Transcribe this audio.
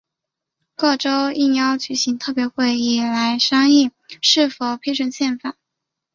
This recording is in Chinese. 各州应邀举行特别会议来商榷是否批准宪法。